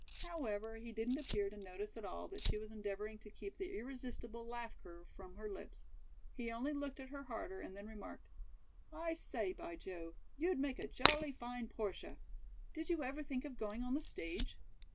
However, he didn't appear to notice at all that she was endeavoring to keep the irresistible laugh curve from her lips. He only looked at her harder, and then remarked: "I say, by Jove, you'd make a jolly fine Portia. Did you ever think of going on the stage?"